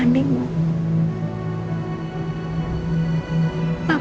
ambil rac gyur bunga